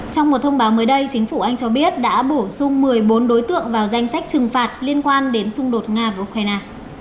trong một thông báo mới đây chính phủ anh cho biết đã bổ sung một mươi bốn đối tượng vào danh sách trừng phạt liên quan đến xung đột nga và ukraine